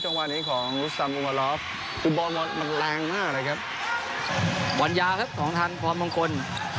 จังหวะนี้ของมันแรงมากเลยครับวัญญาครับของทางพรมงคล